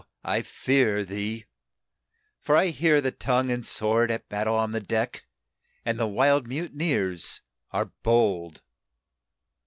I fear thee, for I hear the tongue and sword At battle on the deck, and the wild mutineers are bold!